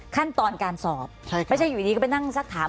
ขั้นตอนการสอบไม่ใช่อยู่ดีก็ไปนั่งสักถาม